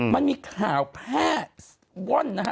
มันมีข่าวแพร่สว่อนนะฮะ